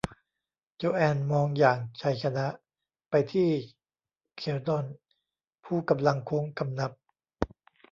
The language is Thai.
โจแอนมองอย่างชัยชนะไปที่เขลดอน ผู้กำลังโค้งคำนับ